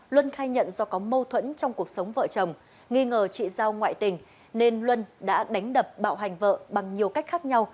luân khai nhận do có mâu thuẫn trong cuộc sống vợ chồng nghi ngờ chị giao ngoại tình nên luân đã đánh đập bạo hành vợ bằng nhiều cách khác nhau